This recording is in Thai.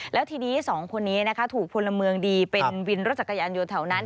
แล้วทีนี้สองคนนี้นะคะถูกพลเมืองดีเป็นวินรถจักรยานยนต์แถวนั้น